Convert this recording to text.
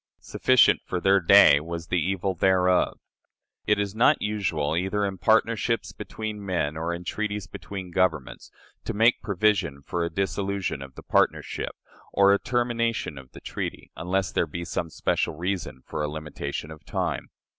Sufficient for their day was the evil thereof. It is not usual, either in partnerships between men or in treaties between governments, to make provision for a dissolution of the partnership or a termination of the treaty, unless there be some special reason for a limitation of time.